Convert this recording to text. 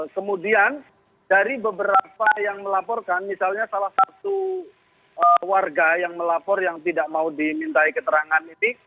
kemudian dari beberapa yang melaporkan misalnya salah satu warga yang melapor yang tidak mau dimintai keterangan ini